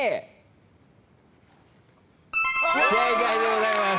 正解でございます。